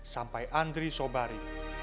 sampai andri sobari